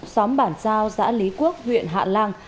xóm bản giao giã lý quốc huyện hạ lan